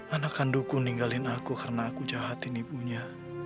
anak kandungku ninggalin aku karena aku jahatin ibunya